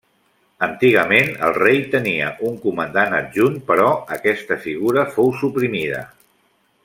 Antigament el rei tenia un comandant adjunt però aquesta figura fou suprimida.